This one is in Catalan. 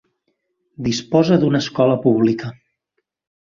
Disposa d'una escola pública.